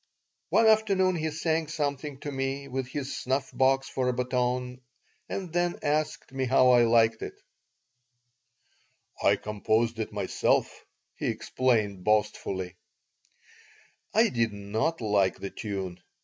One afternoon he sang something to me, with his snuff box for a baton, and then asked me how I liked it "I composed it myself," he explained, boastfully I did not like the tune.